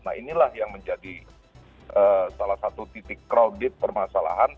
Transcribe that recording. nah inilah yang menjadi salah satu titik crowded permasalahan